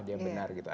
dia benar gitu